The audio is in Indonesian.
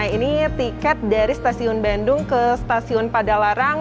ini tiket dari stasiun bandung ke stasiun padalarang